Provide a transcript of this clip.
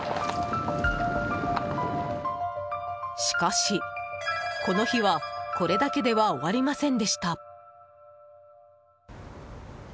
しかし、この日はこれだけでは終わりませんでした。